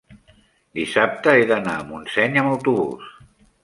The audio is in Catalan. dissabte he d'anar a Montseny amb autobús.